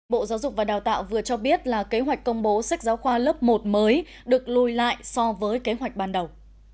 bộ giáo dục và đào tạo vừa cho biết là kế hoạch công bố sách giáo khoa lớp một mới được lùi lại so với kế hoạch ban đầu